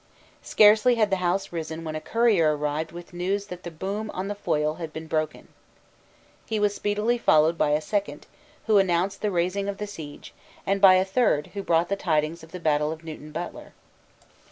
Scarcely had the House risen when a courier arrived with news that the boom on the Foyle had been broken. He was speedily followed by a second, who announced the raising of the siege, and by a third who brought the tidings of the battle of Newton Butler.